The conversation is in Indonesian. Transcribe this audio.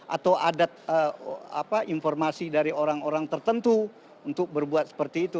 atau ada informasi dari orang orang tertentu untuk berbuat seperti itu